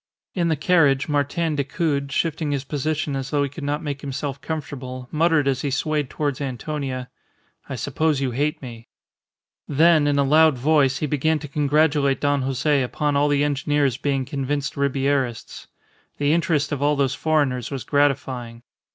In the carriage Martin Decoud, shifting his position as though he could not make himself comfortable, muttered as he swayed towards Antonia, "I suppose you hate me." Then in a loud voice he began to congratulate Don Jose upon all the engineers being convinced Ribierists. The interest of all those foreigners was gratifying.